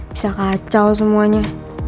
bisa kacau semuanya